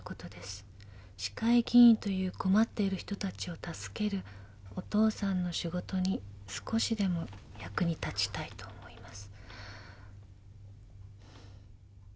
「市会議員という困っている人たちを助けるお父さんの仕事に少しでも役に立ちたいと思います」